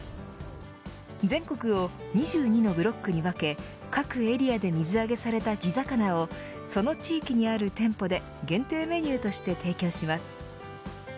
全国を２２のブロックに分け各エリアで水揚げされた地魚をその地域にある店舗で限定メニューとして提供します。